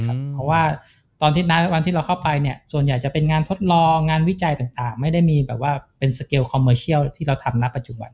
เพราะว่าวันที่เราเข้าไปส่วนใหญ่จะเป็นงานทดลองานวิจัยต่างไม่ได้มีเป็นสเกลคอมเมอร์เชียลที่เราทำ